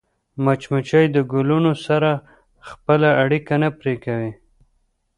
مچمچۍ د ګلونو سره خپله اړیکه نه پرې کوي